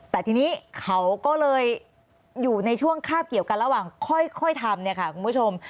แต่ทีนี้เขาก็เลยอยู่ในช่วงคาบเกี่ยวกันระหว่างค่อยทำเนี่ยค่ะคุณผู้ชม